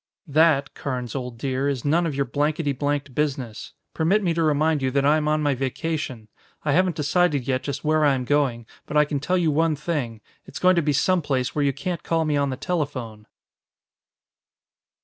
"That, Carnes, old dear, is none of your blankety blanked business. Permit me to remind you that I am on my vacation. I haven't decided yet just where I am going, but I can tell you one thing. It's going to be some place where you can't call me on the telephone."